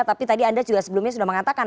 tapi tadi anda juga sebelumnya sudah mengatakan